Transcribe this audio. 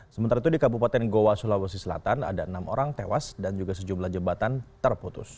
sementara itu di kabupaten goa sulawesi selatan ada enam orang tewas dan juga sejumlah jembatan terputus